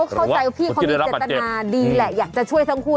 เข้าใจว่าพี่เขามีเจตนาดีแหละอยากจะช่วยทั้งคู่